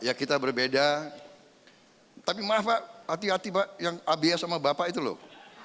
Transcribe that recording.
ya kita berbeda tapi maaf pak hati hati pak yang abs sama bapak itu loh